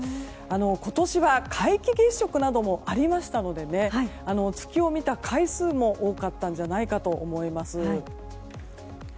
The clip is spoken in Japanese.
今年は皆既月食などもありましたので月を見た回数も多かったんじゃないかと思います。